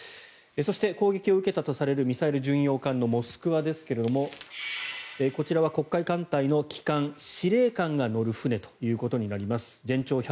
そして、攻撃を受けたとされるミサイル巡洋艦「モスクワ」ですがこちらは黒海艦隊の旗艦司令官が乗る船となります。